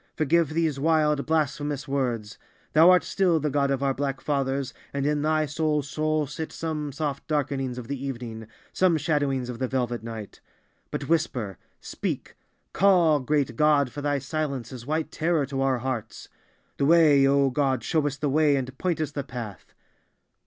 Forgive these wild, blasphemous words. Thou art still the God of our black fathers, and in Thy soul's soul sit some soft darkenings of the evening, some shadowings of the velvet night. But whisper—speak—call, great God, for Thy silence is white terror to our hearts! The way, O God, show us the way and point us the path.